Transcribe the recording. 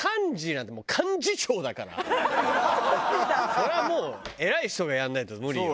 それはもう偉い人がやんないと無理よ。